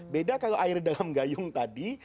beda kalau air dalam gayung tadi